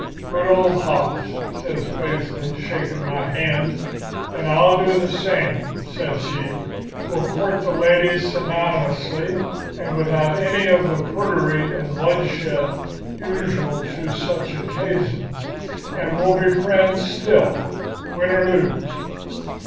"'Good old hoss!' says Paisley, shaking my hand. 'And I'll do the same,' says he. 'We'll court the lady synonymously, and without any of the prudery and bloodshed usual to such occasions. And we'll be friends still, win or lose.